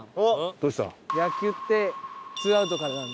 どうした？